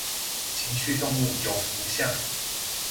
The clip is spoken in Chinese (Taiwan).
情緒動物有福相